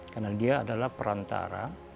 karena dia adalah perantara